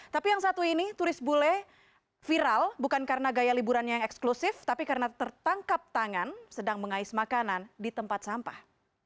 tapi yang satu ini turis bule viral bukan karena gaya liburannya yang eksklusif tapi karena tertangkap tangan sedang mengais makanan di tempat sampah